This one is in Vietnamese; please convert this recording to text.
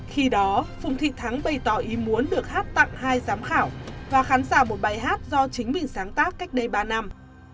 khi đó phùng thị thắng bày tỏ ý muốn được hát tặng hai giám khảo và khán giả một bài hát do chính mình sáng tác cách đây ba năm